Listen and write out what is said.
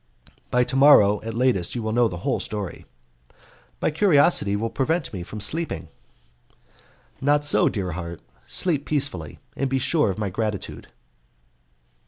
"By to morrow, at latest, you shall know the whole story." "My curiosity will prevent me from sleeping." "Not so, dear heart; sleep peacefully, and be sure of my gratitude."